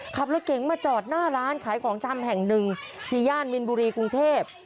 ขับรถเก๋งมาจอดหน้าร้านขายของชำแห่งหนึ่งที่ย่านมินบุรีกรุงเทพ